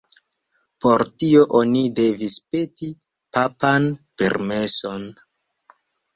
Por tio oni devis peti papan permeson.